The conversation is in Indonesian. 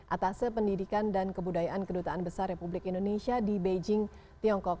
atas pendidikan dan kebudayaan kedutaan besar republik indonesia di beijing tiongkok